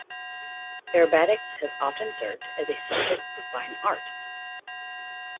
Acrobatics has often served as a subject for fine art.